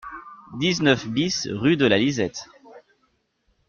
dix-neuf BIS rue de la Lisette